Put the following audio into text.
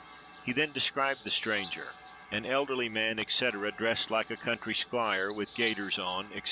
He then described the stranger—an elderly man, &c., dressed like a country squire, with gaiters on, &c.